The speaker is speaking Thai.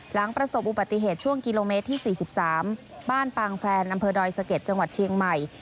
หลังประสบอุบัติเหตุช่วงกิโลเมตรที่๔๓บ้านปางแฟนอำเภอดอยสะเก็ดจังหวัดเชียงใหม่